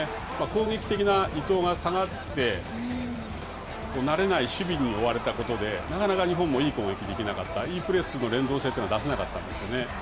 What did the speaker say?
攻撃的な伊東が下がって、慣れない守備に追われたことで、なかなか日本もいい攻撃できなかった、いいプレーする連動性というのは出せなかったんですね。